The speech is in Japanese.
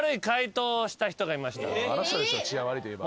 あの人でしょ治安悪いといえば。